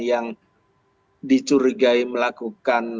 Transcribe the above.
yang dicurigai melakukan